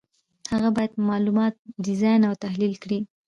هغه باید معلومات ډیزاین او تحلیل کړي.